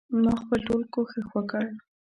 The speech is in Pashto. ما خپل ټول کوښښ وکړ.